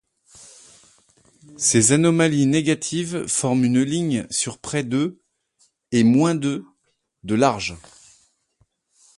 Ces anomalies négatives forment une ligne sur près de et moins de de large.